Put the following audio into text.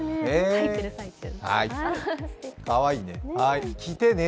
かわいいね。